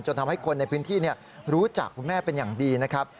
ทำให้คนในพื้นที่รู้จักคุณแม่เป็นอย่างดีนะครับ